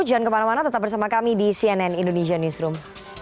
jangan kemana mana tetap bersama kami di cnn indonesia newsroom